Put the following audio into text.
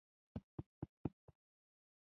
هالنډیانو هرې کورنۍ ته ځمکې ورکړې.